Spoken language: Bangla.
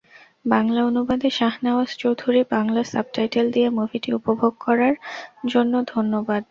বাংলা অনুবাদেঃ শাহনেওয়াজ চৌধুরী বাংলা সাবটাইটেল দিয়ে মুভিটি উপভোগ করার জন্য ধন্যবাদ।